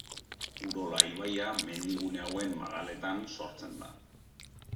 Urola ibaia mendigune hauen magaletan sortzen da.